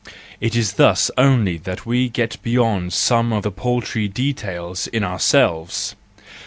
It is thus only that we get beyond some of the paltry details in ourselves